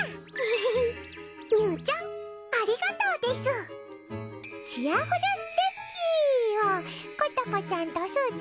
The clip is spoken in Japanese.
フフフフみゅーちゃんありがとうです！